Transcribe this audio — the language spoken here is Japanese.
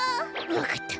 わかった！